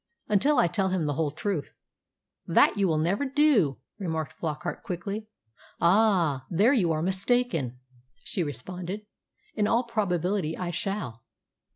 "Until I tell him the whole truth." "That you will never do," remarked Flockart quickly. "Ah! there you're mistaken," she responded. "In all probability I shall."